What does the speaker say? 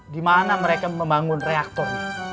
dimana mereka membangun reaktor